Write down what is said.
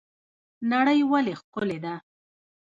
نړۍ ولې ښکلې ده؟